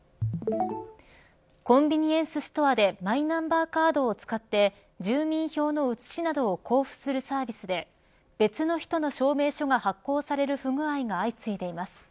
コンビニエンスストアでマイナンバーカードを使って住民票の写しなどを交付するサービスで別の人の証明書が発行される不具合が相次いでいます。